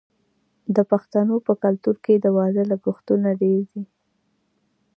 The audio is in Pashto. د پښتنو په کلتور کې د واده لګښتونه ډیر وي.